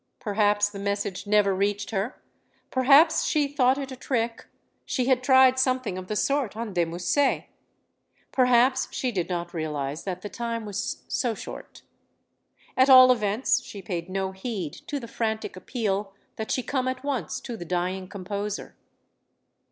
Perhaps the message never reached her; perhaps she thought it a trick she had tried something of the sort on de Musset; perhaps she did not realize that the time was so short. At all events, she paid no heed to the frantic appeal that she come at once to the dying composer.